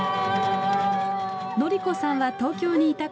紀子さんは東京にいたころ